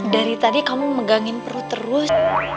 dari tadi kamu megangin perut terus